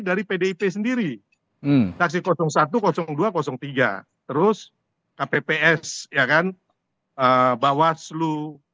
dari pdip sendiri taksi satu dua tiga terus kpps ya kan bawaslu